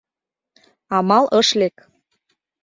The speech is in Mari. — Амал ыш лек.